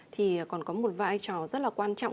thì còn có một vai trò rất là quan trọng